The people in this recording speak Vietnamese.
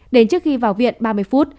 đến trước khi vào viện ba mươi phút